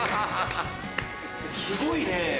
すごいね！